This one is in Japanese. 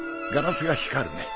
ガラスが光るね